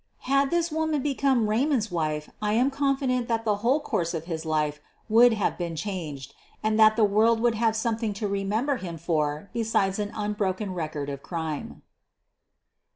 Had this woman become Raymond's wife I am confident that the whole course of his life would have been changed, and that the world would have something to remember him for besides an unbroken record of crime.